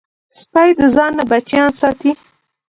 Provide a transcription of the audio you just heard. سپي د ځان نه بچیان ساتي.